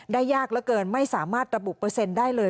ได้ยากเท่าไหร่เกินไม่สามารถระบุเปอร์เซ็นต์ได้เลย